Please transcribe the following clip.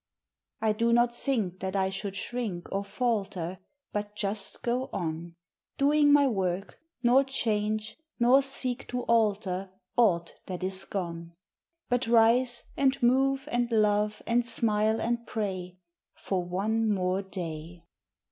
I do not think that I should shrink or falter, But just go on, Doing my work, nor change nor seek to alter Aught that is gone; But rise and move and love and smile and pra^ For one more day.